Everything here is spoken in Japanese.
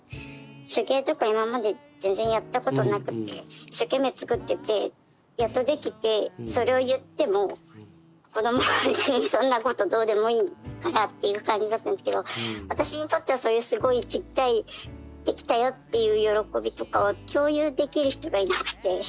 手芸とか今まで全然やったことなくて一生懸命つくっててやっとできてそれを言っても子どもは別にそんなことどうでもいいからっていう感じだったんですけど私にとってはそういうすごいちっちゃい出来たよっていう喜びとかを共有できる人がいなくて。